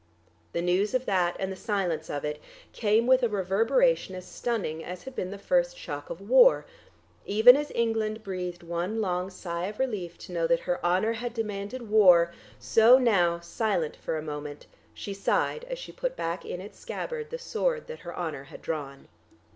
The news of that, and the silence of it, came with a reverberation as stunning as had been the first shock of war; even as England breathed one long sigh of relief to know that her honour had demanded war, so now, silent for a moment, she sighed as she put back in its scabbard the sword that her honour had drawn.